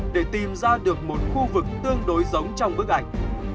để tìm ra được một khu vực tương đối giống trong bức ảnh